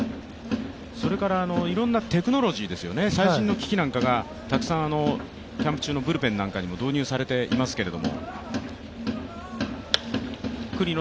いろいろなテクノロジーですよね、最新の機器なんかがたくさんキャンプ中のブルペンにも導入されていますけど。